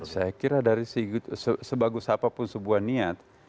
saya kira dari sebagus apapun sebuah niat